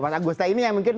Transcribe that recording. mas agus teh ini ya mungkin